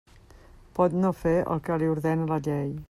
Pot no fer el que li ordena la llei.